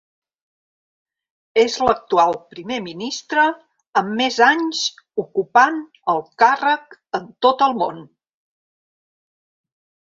És l'actual primer ministre amb més anys ocupant el càrrec, en tot el món.